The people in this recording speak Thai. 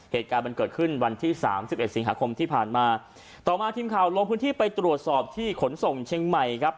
เหตุการณ์มันเกิดขึ้นวันที่สามสิบเอ็ดสิงหาคมที่ผ่านมาต่อมาทีมข่าวลงพื้นที่ไปตรวจสอบที่ขนส่งเชียงใหม่ครับ